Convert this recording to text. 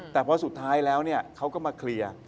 แต่พอสุดท้ายแล้วเขาก็มาเคลียร์